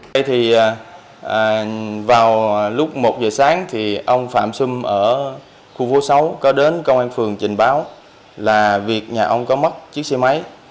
đây thì vào lúc một giờ sáng thì ông phạm xâm ở khu phố sáu có đến công an phường trình báo là việc nhà ông có mất chiếc xe máy